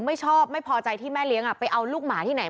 ไม่ชอบไม่พอใจที่แม่เลี้ยงไปเอาลูกหมาที่ไหน